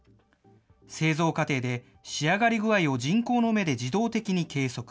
製造過程で仕上がり具合を人工の目で自動的に計測。